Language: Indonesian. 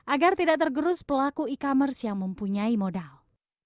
agar tidak tergerus pelaku e commerce yang mempunyai modal